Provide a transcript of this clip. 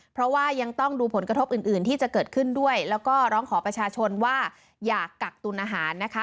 เพราะว่ายังต้องดูผลกระทบอื่นอื่นที่จะเกิดขึ้นด้วยแล้วก็ร้องขอประชาชนว่าอย่ากักตุลอาหารนะคะ